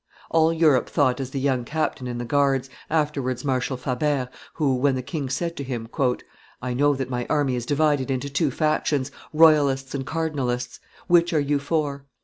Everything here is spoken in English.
All Europe thought as the young captain in the guards, afterwards Marshal Fabert, who, when the king said to him, "I know that my army is divided into two factions, royalists and cardinalists; which are you for?"